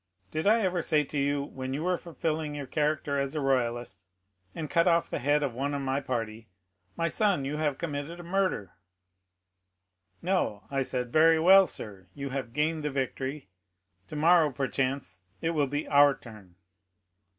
Did I ever say to you, when you were fulfilling your character as a royalist, and cut off the head of one of my party, 'My son, you have committed a murder?' No, I said, 'Very well, sir, you have gained the victory; tomorrow, perchance, it will be our turn.